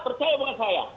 percaya bukan saya